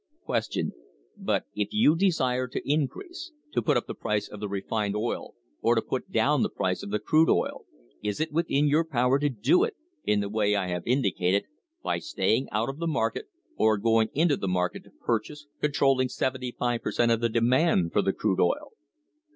Q. But if you desire to increase to put up the price of the refined oil, or to put down the price of the crude oil, is it within your power to do it, in the way I have indicated, by staying out of the market or going into the market to purchase, con trolling 75 per cent, of the demand for the crude oil